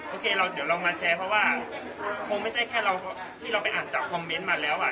โอเคเราเดี๋ยวเรามาแชร์เพราะว่าคงไม่ใช่แค่เราที่เราไปอ่านจากคอมเมนต์มาแล้วอ่ะ